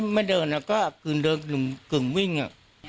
ไม่เดินแล้วก็กึ่งเดินกึ่งกึ่งวิ่งก่อน